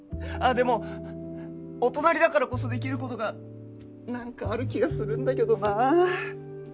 あっでもお隣だからこそできる事がなんかある気がするんだけどなあ。